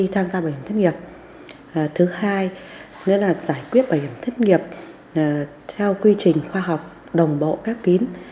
thứ hai giải quyết bảo hiểm thất nghiệp theo quy trình khoa học đồng bộ các kín